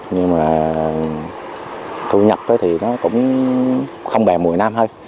nhưng mà thu nhập thì nó cũng không bè mùa nam thôi